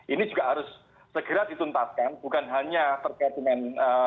ini juga harus segera dituntaskan bukan hanya terkait dengan